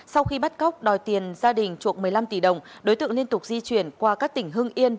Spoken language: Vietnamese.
sau khi bắt cóc đòi tiền gia đình chuộc một mươi năm tỷ đồng đối tượng liên tục di chuyển qua các tỉnh hưng yên